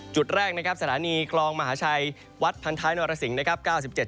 จุดแรกนะครับสถานีคลองมหาชัยวัดพันท้ายนรสิงห์นะครับ